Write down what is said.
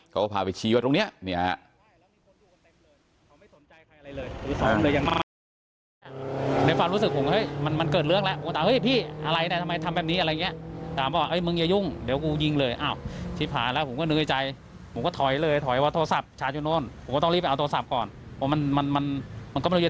เขาก็พาไปชี้ไว้ตรงนี้